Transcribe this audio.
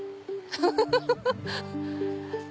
フフフフ！